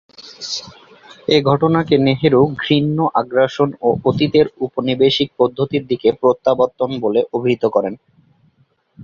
এ ঘটনাকে নেহেরু ‘ঘৃণ্য আগ্রাসন’ ও ‘অতীতের উপনিবেশিক পদ্ধতির দিকে প্রত্যাবর্তন’ বলে অভিহিত করেন।